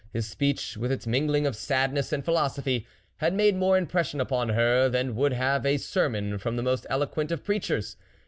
His speech, with its mingling of sadness and pnilosophy, had made more impression upon her than would have a sermon from the most elo quent of preachers.